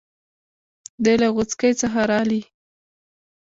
دی له غوڅکۍ څخه رالی.